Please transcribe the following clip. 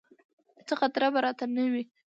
څه خطره به راته نه وي.